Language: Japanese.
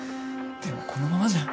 でもこのままじゃ。